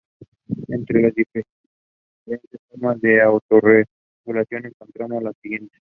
Entre las diferentes formas de autorregulación, encontramos las siguientes.